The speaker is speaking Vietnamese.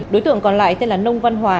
đối tượng còn lại tên là nông văn hòa